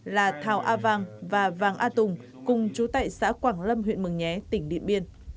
là thảo a vàng và vàng a tùng cùng chú tại xã quảng lâm huyện mường nhé tỉnh điện biên